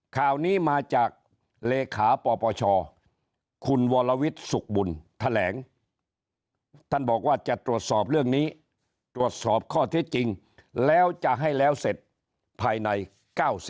ข่าวนี้มาจากเลขาปปชคุณวรวิทย์สุขบุญแถลงท่านบอกว่าจะตรวจสอบเรื่องนี้ตรวจสอบข้อเท็จจริงแล้วจะให้แล้วเสร็จภายใน๙๐